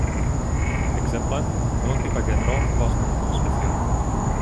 Ekzemple, monotipa genro havas nur unun specion.